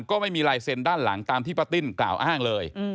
ก็ไม่มีลายเซ็นต์ด้านหลังตามที่ป้าติ้นกล่าวอ้างเลย